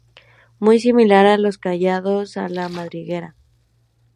Muy similar a los callos a la madrileña.